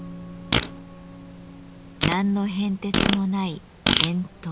何の変哲もない「円筒」。